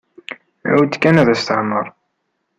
Awi-d kan ad as-teɛmer.